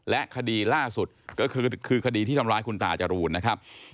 และคดีล่าสุดก็คือคดีที่ทำร้ายคุณตาจรูนนะครับ